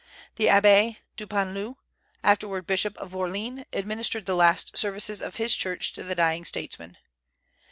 The Abbé Dupanloup, afterward bishop of Orléans, administered the last services of his church to the dying statesman.